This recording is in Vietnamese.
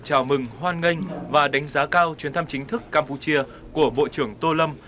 chào mừng hoan nghênh và đánh giá cao chuyến thăm chính thức campuchia của bộ trưởng tô lâm